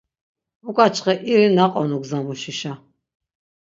Uǩvaçxe iri naqonu gza muşişa...